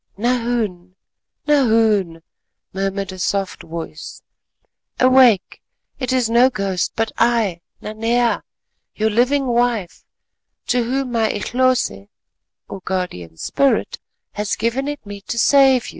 "Nahoon! Nahoon!" murmured a soft voice, "awake, it is no ghost, but I—Nanea—I, your living wife, to whom my _Ehlose_[*] has given it me to save you."